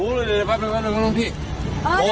ต่อบร้อนเรียกเขาลงหลังของแต่ง๒๐๐๕